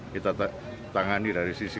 kita tangani dari sisi